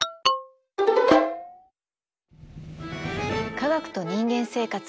「科学と人間生活」